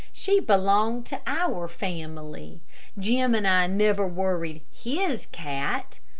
She belonged to our family. Jim and I never worried 'his' cat.